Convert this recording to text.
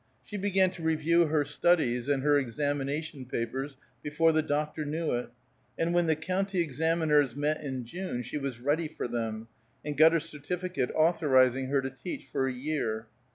She began to review her studies and her examination papers before the doctor knew it, and when the county examiners met in June she was ready for them, and got a certificate authorizing her to teach for a year.